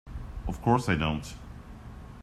Of course I don't.